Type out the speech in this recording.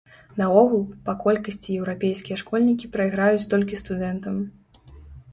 Наогул, па колькасці еўрапейскія школьнікі прайграюць толькі студэнтам.